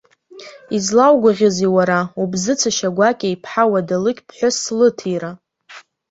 Излаугәаӷьызеи, уара, убзыцәашьа гәакьа иԥҳа уадалықь ԥҳәысс лыҭира!